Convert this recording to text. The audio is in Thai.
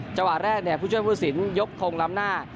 จังหวะแรกผู้ช่วยผู้สินยกทงล้ำหน้า